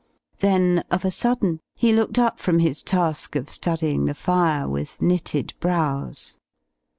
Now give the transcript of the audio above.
Then of a sudden he looked up from his task of studying the fire with knitted brows.